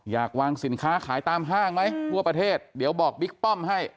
อยากวางสินค้าขายตามห้างไหมทั่วประเทศเดี๋ยวบอกบิ๊กป้อมให้